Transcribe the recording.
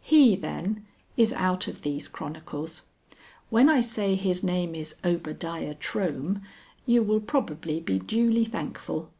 He, then, is out of these chronicles. When I say his name is Obadiah Trohm, you will probably be duly thankful.